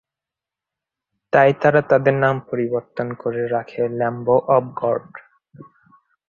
তাই তারা তাদের নাম পরিবর্তন করে রাখে ল্যাম্ব অব গড।